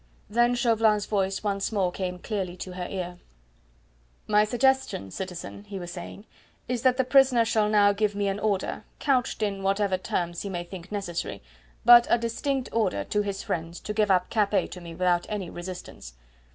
Then Chauvelin's voice once more came clearly to her ear: "My suggestion, citizen," he was saying, "is that the prisoner shall now give me an order couched in whatever terms he may think necessary but a distinct order to his friends to give up Capet to me without any resistance.